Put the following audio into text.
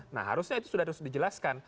nah harusnya itu sudah harus dijelaskan